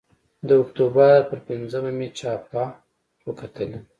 د اکتوبر پر پینځمه مې چاپه وکتلې.